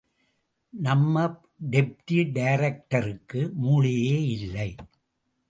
நம்ம டெப்டி டைரக்டருக்கு மூளையே இல்லை.